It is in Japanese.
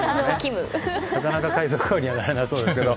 なかなか海賊王になれなさそうですけど。